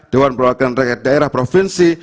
dewan perwakilan rakyat daerah provinsi